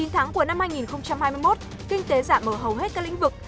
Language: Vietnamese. chín tháng của năm hai nghìn hai mươi một kinh tế giảm ở hầu hết các lĩnh vực